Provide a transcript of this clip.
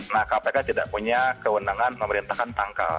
nah kpk tidak punya kewenangan memerintahkan tangkal